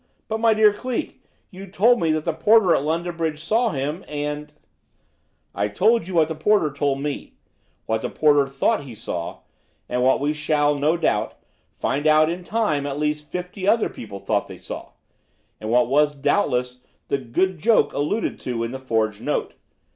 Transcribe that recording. But, my dear Cleek, you told me that the porter at London Bridge saw him and " "I told you what the porter told me; what the porter thought he saw, and what we shall, no doubt, find out in time at least fifty other people thought they saw, and what was, doubtless, the 'good joke' alluded to in the forged note.